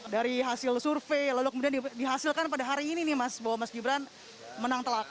dari hasil survei lalu kemudian dihasilkan pada hari ini nih mas bahwa mas gibran menang telak